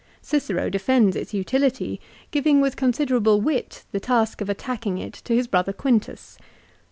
Cicero defends its utility, giving with considerable wit, the task of attacking it to his brother Quintus.